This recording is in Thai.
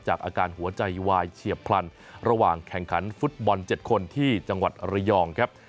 อาการหัวใจวายเฉียบพลันระหว่างแข่งขันฟุตบอล๗คนที่จังหวัดระยองครับ